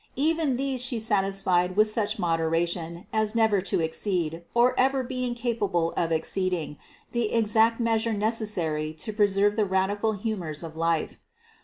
Even these She satisfied with such moderation as never to exceed, or ever being capable of exceeding, the exact measure necessary to preserve the radical hu mors of life.